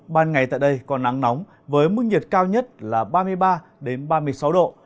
ban ngày tại đây còn nắng nóng với mức nhiệt cao nhất là ba mươi ba ba mươi sáu độ